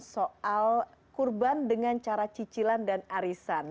soal kurban dengan cara cicilan dan arisan